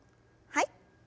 はい。